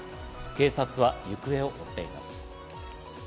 警察は行方を追っています。